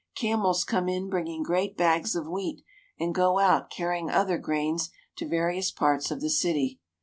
Camels come in bringing great bags of wheat and go out carrying other grains to various parts of the city.